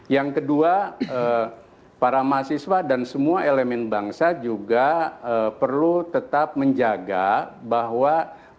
yang kedua para mahasiswa dan semua elemen bangsa juga perlu tetap menjaga bahwa